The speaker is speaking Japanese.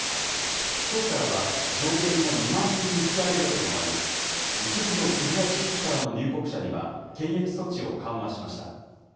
きょうからは、上限を２万人に引き上げるとともに、一部の国や地域からの入国者には、検疫措置を緩和しました。